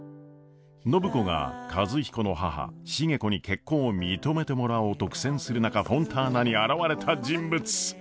暢子が和彦の母重子に結婚を認めてもらおうと苦戦する中フォンターナに現れた人物。